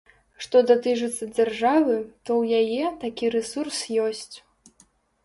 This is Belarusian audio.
Што датычыцца дзяржавы, то ў яе такі рэсурс ёсць.